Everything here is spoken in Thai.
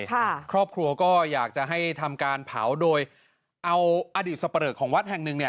ครอบครัวก็อยากจะให้ทำการเผาโดยเอาอดีตสเปรอของวัดแห่งหนึ่งเนี่ย